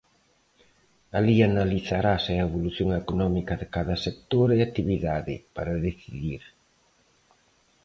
Alí analizarase a evolución económica de cada sector e actividade para decidir.